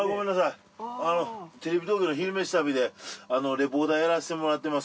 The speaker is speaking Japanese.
テレビ東京の「昼めし旅」でリポーターやらせてもらってます